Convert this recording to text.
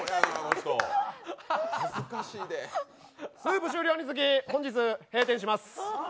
スープ終了につき本日、閉店します！